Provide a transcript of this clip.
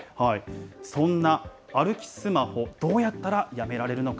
そんな歩きスマホ、どうやったらやめられるのか。